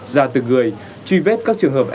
ra từng người truy vết các trường hợp